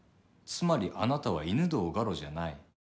つまりあなたは犬堂ガロじゃない。